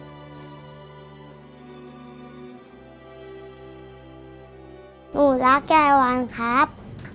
หนูรักยายวันครับ